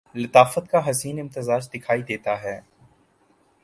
لطافت کا حسین امتزاج دکھائی دیتا ہے